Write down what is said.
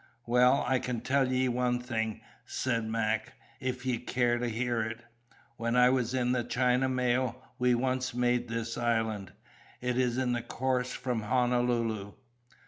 "Well, I can tell ye one thing," said Mac, "if ye care to hear it. When I was in the China mail, we once made this island. It's in the course from Honolulu."